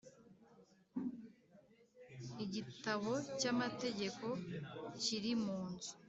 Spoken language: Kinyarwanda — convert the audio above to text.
igitabo cy’ amategeko kiri mu nzu.